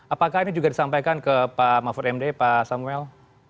apakah ini juga disampaikan ke pak mahfud md pak samuel